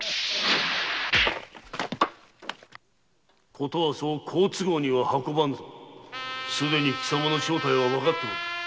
・ことはそう好都合には運ばぬぞ。すでに貴様の正体はわかっておる。